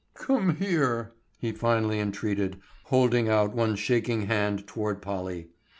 "Come here!" he finally entreated, holding out one shaking hand toward Polly.